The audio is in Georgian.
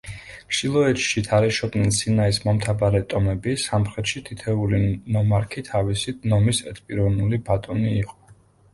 ჩრდილოეთში თარეშობდნენ სინაის მომთაბარე ტომები, სამხრეთში თითოეული ნომარქი თავისი ნომის ერთპიროვნული ბატონი იყო.